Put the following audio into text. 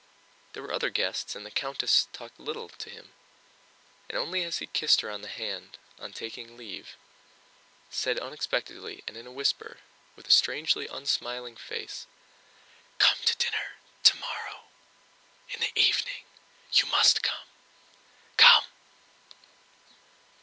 There were other guests and the countess talked little to him, and only as he kissed her hand on taking leave said unexpectedly and in a whisper, with a strangely unsmiling face: "Come to dinner tomorrow... in the evening. You must come.... Come!"